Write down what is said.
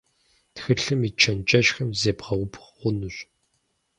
Тхылъым ит чэнджэщхэм зебгъэубгъу хъунущ.